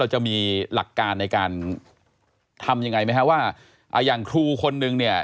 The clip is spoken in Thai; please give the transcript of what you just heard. จะมีหลักการในการทำยังไงไหมฮะว่าอย่างครูคนนึงเนี่ย